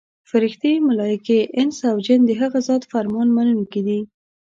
فرښتې، ملایکې، انس او جن د هغه ذات فرمان منونکي دي.